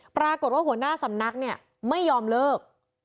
ปรากฏว่าหัวหน้าสำนักเนี่ยไม่ยอมเลิก